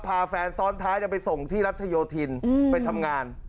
พาแฟนซ้อนท้ายจะไปส่งที่รัชโยธินไปทำงาน